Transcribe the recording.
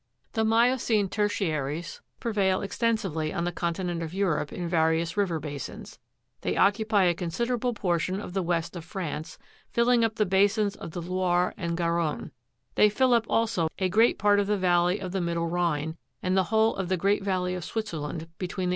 18. The miocene tertiaries prevail extensively on the continent of Europe ia, various river basins. They occupy a considerable portion of the west of France, filling up the basins of the Loire and Garonne ; they fill up also a great part of the valley of the middle Rhine, and the whole of the great valley of Switzerland, between the.